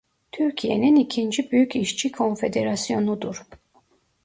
Türkiye'nin ikinci büyük işçi konfederasyonudur.